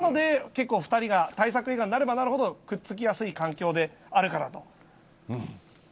なので、結構２人が大作映画になればなるほどくっつきやすい環境であるかなと。